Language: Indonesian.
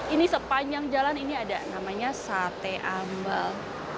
ini sepanjang jalan ini ada namanya sate ambal